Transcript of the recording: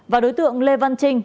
và đối tượng lê văn trinh